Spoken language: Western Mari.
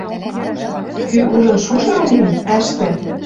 Кӱ ужын шушырым гӹнь, ӓштӓ